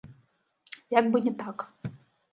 Як бы не так.